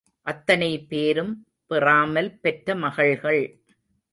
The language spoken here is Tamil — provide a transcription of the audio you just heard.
அத்தனை பேரும் பெறாமல் பெற்ற மகள்கள்.